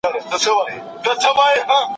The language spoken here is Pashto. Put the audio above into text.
موږ د معیاري اپلیکیشن نشتون احساس کړ.